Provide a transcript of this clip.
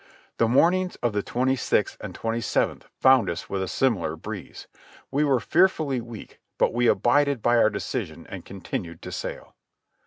The mornings of the twenty sixth and twenty seventh found us with a similar breeze. We were fearfully weak, but we abided by our decision and continued to sail.